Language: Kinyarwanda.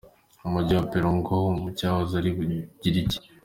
Umujyi wa Perugamo mu cyahoze ari Bugiriki.